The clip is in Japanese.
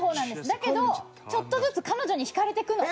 だけとちょっとずつ彼女にひかれていくの。